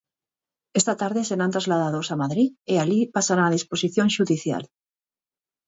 Esta tarde serán trasladados a Madrid e alí pasarán a disposición xudicial.